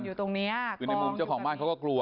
คือในมุมเจ้าของบ้านเขาก็กลัว